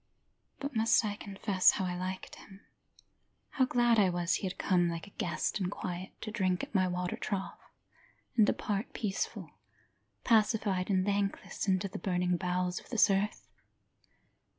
But must I confess how I liked him, How glad I was he had come like a guest in quiet, to drink at my water trough And depart peaceful, pacified, and thankless, Into the burning bowels of this earth?